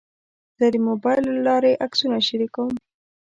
زه د موبایل له لارې عکسونه شریکوم.